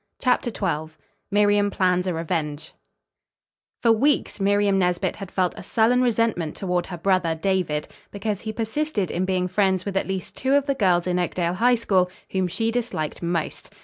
CHAPTER XII MIRIAM PLANS A REVENGE For weeks Miriam Nesbit had felt a sullen resentment toward her brother, David, because he persisted in being friends with at least two of the girls in Oakdale High School whom she disliked most.